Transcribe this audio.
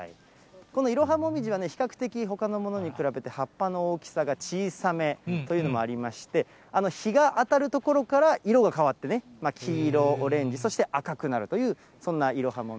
このイロハモミジは比較的ほかのものに比べて葉っぱの大きさが小さめというのもありまして、日が当たる所から色が変わってね、黄色、オレンジ、そして赤くなるという、癒やされる。